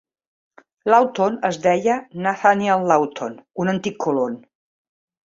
Lawton es deia Nathaniel Lawton, un antic colon.